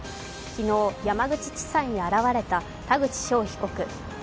昨日、山口地裁に現れた田口翔被告。